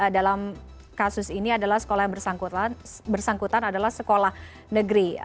dalam kasus ini adalah sekolah yang bersangkutan adalah sekolah negeri